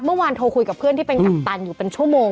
เมื่อวานโทรคุยกับเพื่อนที่เป็นกัปตันอยู่เป็นชั่วโมง